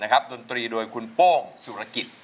ห่องธุรกิจ